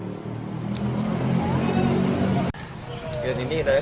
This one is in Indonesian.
kota bogor mencapai dua puluh dua orang